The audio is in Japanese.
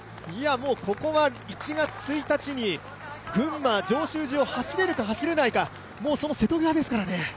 ここは１月１日に群馬を走れるかどうかのその瀬戸際ですからね。